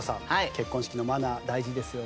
結婚式のマナー大事ですよね？